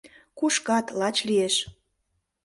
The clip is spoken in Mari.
— Кушкат, лач лиеш.